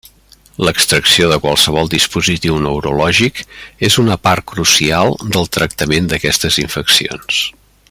L'extracció de qualsevol dispositiu neurològic és una part crucial del tractament d'aquestes infeccions.